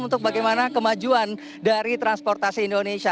untuk bagaimana kemajuan dari transportasi indonesia